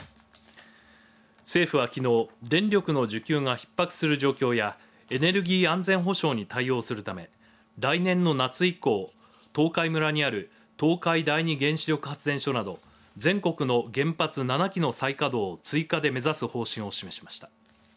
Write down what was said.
政府はきのう電力の需給がひっ迫する状況やエネルギー安全保障に対応するため、来年の夏以降東海村にある東海第二原子力発電所など全国の原発７基の再稼働を追加で目指す方針を示しました。